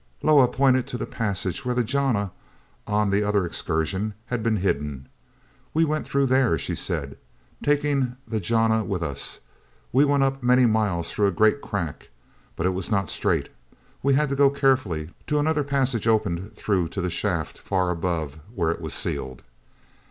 Loah pointed to the passage where the jana, on that other excursion, had been hidden. "We went through there," she said, "taking the jana with us. We went up many miles through a great crack, but it was not straight; we had to go carefully till another passage opened through to the shaft far above where it was sealed."